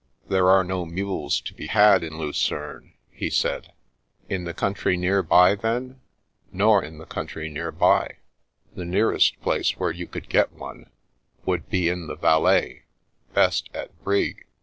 " There are no mules to be had in Lucerne," he said. In the cotmtry near by, then ?" Nor in the country near by. The nearest place where you could get one would be in the Valais — best at Brig."